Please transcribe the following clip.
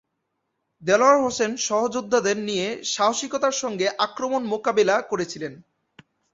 দেলোয়ার হোসেন সহযোদ্ধাদের নিয়ে সাহসিকতার সঙ্গে আক্রমণ মোকাবিলা করছিলেন।